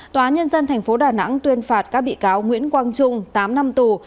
tòa nhân dân tp đà nẵng tuyên phạt các bị cáo nguyễn quang trung tám năm tù